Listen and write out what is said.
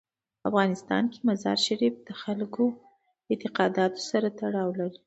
په افغانستان کې مزارشریف د خلکو د اعتقاداتو سره تړاو لري.